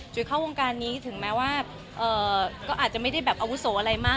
เข้าวงการนี้ถึงแม้ว่าก็อาจจะไม่ได้แบบอาวุโสอะไรมาก